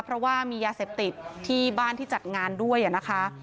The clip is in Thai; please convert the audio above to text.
เพราะว่ามียาเสพติดที่บ้านที่จัดงานด้วยนะคะ